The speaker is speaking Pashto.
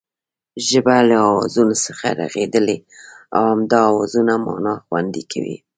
ژبه له آوازونو څخه رغېدلې او همدا آوازونه مانا خوندي کوي